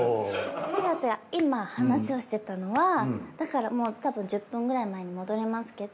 違う違う今話をしてたのはだからもうたぶん１０分くらい前に戻りますけど。